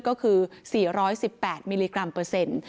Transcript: ก็คือ๔๑๘มิลลิกรัมเปอร์เซ็นต์